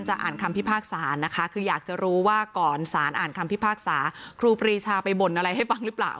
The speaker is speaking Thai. อ่านคำพิพากษานะคะคืออยากจะรู้ว่าก่อนสารอ่านคำพิพากษาครูปรีชาไปบ่นอะไรให้ฟังหรือเปล่า